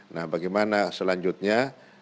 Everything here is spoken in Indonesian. nah bagaimana selanjutnya